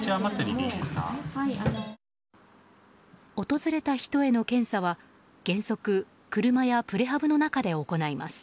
訪れた人への検査は原則車やプレハブの中で行います。